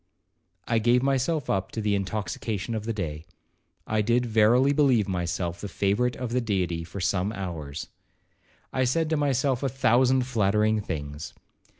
I gave myself up to the intoxication of the day,—I did verily believe myself the favourite of the Deity for some hours. I said to myself a thousand flattering things.